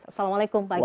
assalamualaikum pak kiai